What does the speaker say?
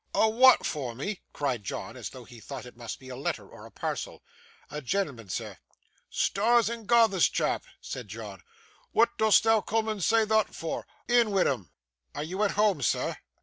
'A wa'at for me?' cried John, as though he thought it must be a letter, or a parcel. 'A gen'l'man, sir.' 'Stars and garthers, chap!' said John, 'wa'at dost thou coom and say thot for? In wi' 'un.' 'Are you at home, sir?